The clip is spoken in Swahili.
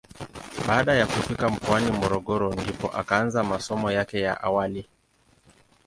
Baada ya kufika mkoani Morogoro ndipo akaanza masomo yake ya awali.